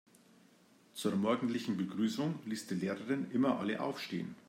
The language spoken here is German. Zur morgendlichen Begrüßung ließ die Lehrerin immer alle aufstehen.